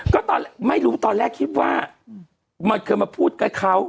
ก็ตอนไม่รู้ตอนแรกคิดว่ามันเคยมาพูดกับเขา